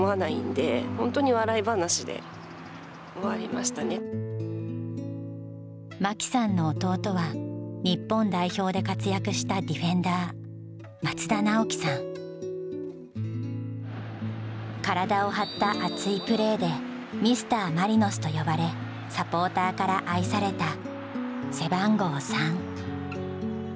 まさか真紀さんの弟は日本代表で活躍したディフェンダー体を張った熱いプレーで「ミスターマリノス」と呼ばれサポーターから愛された背番号３。